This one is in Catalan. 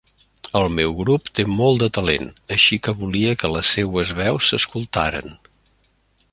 El meu grup té molt de talent, així que volia que les seues veus s'escoltaren.